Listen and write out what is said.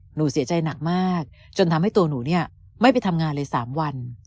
หนูเสียใจหนักมากจนทำให้ตัวหนูเนี่ยไม่ไปทำงานเลย๓วัน